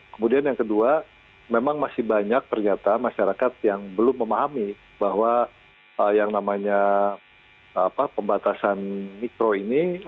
kemudian yang kedua memang masih banyak ternyata masyarakat yang belum memahami bahwa yang namanya pembatasan mikro ini